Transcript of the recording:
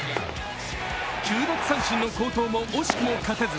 ９奪三振の好投も惜しくも勝てず。